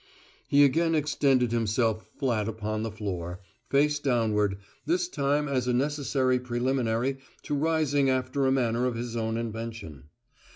He again extended himself flat upon the floor, face downward, this time as a necessary preliminary to rising after a manner of his own invention.